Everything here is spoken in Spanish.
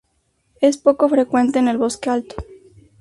Es poco frecuente en el bosque alto.